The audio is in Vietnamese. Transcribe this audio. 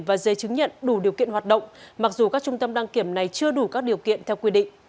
và giấy chứng nhận đủ điều kiện hoạt động mặc dù các trung tâm đăng kiểm này chưa đủ các điều kiện theo quy định